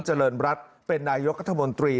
เจริญรัฐเป็นนายกรัฐมนตรี